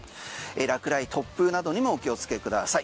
落雷、突風などにもお気をつけください。